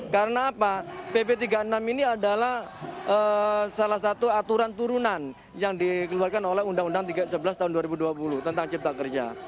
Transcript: karena pp tiga puluh enam ini adalah salah satu aturan turunan yang dikeluarkan oleh undang undang sebelas tahun dua ribu dua puluh tentang cipta kerja